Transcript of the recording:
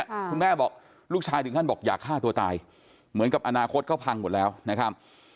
คุณแม่บอกลูกชายถึงขั้นบอกอยากฆ่าตัวตายเหมือนกับอนาคตเขาพังหมดแล้วนะครับ